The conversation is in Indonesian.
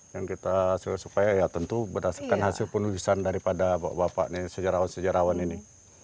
yang kita hasilkan supaya tentu berdasarkan hasil penulisan dari sejarawan sejarawan ini